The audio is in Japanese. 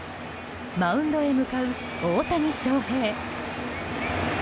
マウンドへ向かう、大谷翔平。